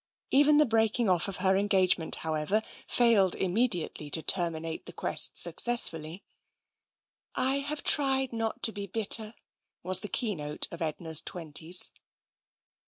Even the breaking off of her engage ment, however, failed immediately to terminate the quest successfully. " I have tried not to be bitter/' was the keynote of Edna's twenties.